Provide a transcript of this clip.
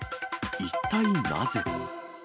一体なぜ？